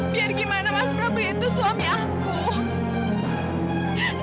biar gimana mas prabu itu suami aku